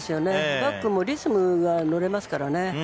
バックもリズムに乗れますから。